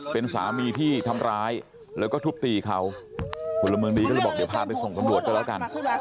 เป็นสามีที่ทำร้ายแล้วก็ทุบตีเขาผลเมืองดีก็เลยบอกเดี๋ยวพาไปส่งตำรวจก็แล้วกัน